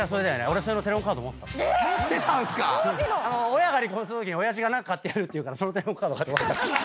親が離婚するときに親父が「何か買ってやる」って言うからそのテレホンカード。